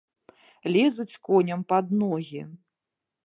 Лезуць коням пад ногі.